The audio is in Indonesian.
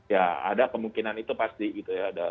ya ada kemungkinan itu pasti gitu ya